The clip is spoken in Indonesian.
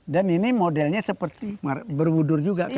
dan ini modelnya seperti berbudur juga kan